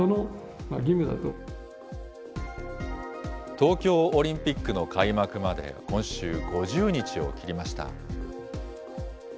東京オリンピックの開幕まで今週、５０日を切りました。